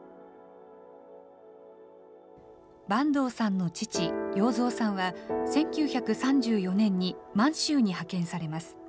坂東さんの父、要三さんは、１９３４年に満州に派遣されます。